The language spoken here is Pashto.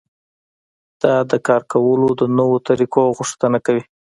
دا د کار کولو د نويو طريقو غوښتنه کوي.